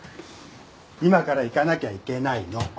今から行かなきゃいけないの！